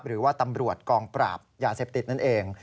หรือว่าตำรวจกองปราบยาเสพติดนั่นเอง